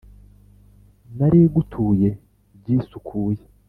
Narigutuye ryisukuye